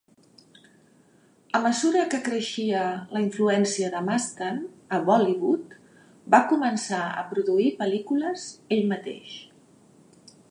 A mesura que creixia la influència de Mastan a Bollywood, va començar a produir pel·lícules ell mateix.